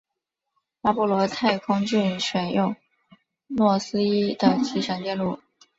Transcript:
阿波罗太空梭选用诺伊斯的集成电路。